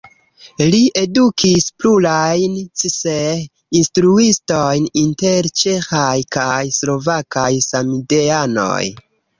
Li edukis plurajn Cseh-instruistojn inter ĉeĥaj kaj slovakaj samideanoj.